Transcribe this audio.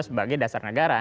sebagai dasar negara